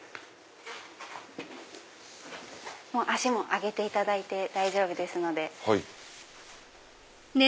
⁉脚も上げていただいて大丈夫ですので。